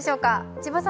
千葉さん